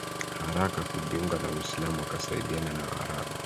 haraka kujiunga na Uislamu wakasaidiana na Waarabu